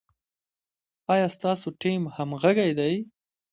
ایا ستاسو ټیم همغږی دی؟